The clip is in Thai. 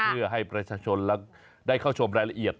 เพื่อให้ประชาชนและได้เข้าชมรายละเอียด